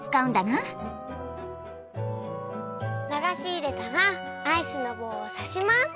ながしいれたらアイスのぼうをさします！